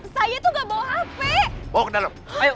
saya tidak mau